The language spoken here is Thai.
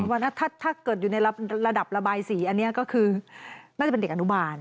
ว่าถ้าเกิดอยู่ในระดับระบายสีอันนี้ก็คือน่าจะเป็นเด็กอนุบาล